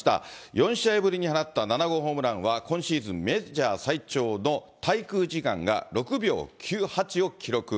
４試合ぶりに放った７号ホームランは、今シーズンメジャー最長の滞空時間が６秒９８を記録。